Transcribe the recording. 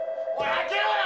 開けろよ！